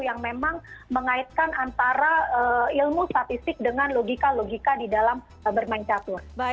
yang memang mengaitkan antara ilmu statistik dengan logika logika di dalam bermain catur